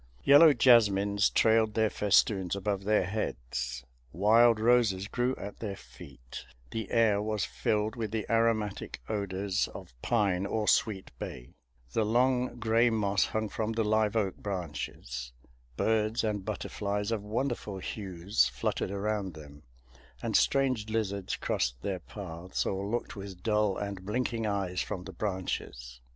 Yellow jasmines trailed their festoons above their heads; wild roses grew at their feet; the air was filled with the aromatic odors of pine or sweet bay; the long gray moss hung from the live oak branches; birds and butterflies of wonderful hues fluttered around them; and strange lizards crossed their paths, or looked with dull and blinking eyes from the branches.